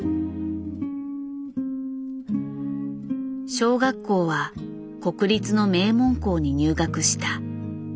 小学校は国立の名門校に入学した。